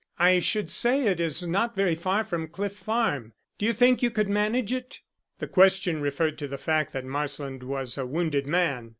"I should say it is not very far from Cliff Farm. Do you think you could manage it?" The question referred to the fact that Marsland was a wounded man.